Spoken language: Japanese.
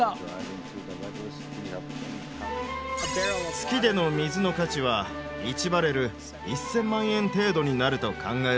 月での水の価値は１バレル１，０００万円程度になると考えられます。